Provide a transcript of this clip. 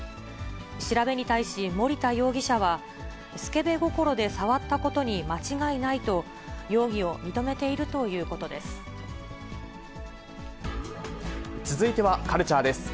調べに対し森田容疑者は、すけべ心で触ったことに間違いないと、容疑を認めているというこ続いてはカルチャーです。